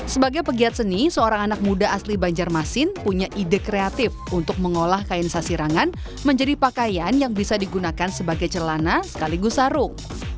sebagai pegiat seni seorang anak muda asli banjarmasin punya ide kreatif untuk mengolah kain sasirangan menjadi pakaian yang bisa digunakan sebagai celana sekaligus sarung